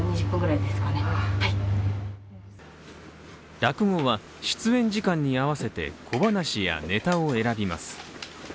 落語は出演時間に合わせて小ばなしやネタを選びます。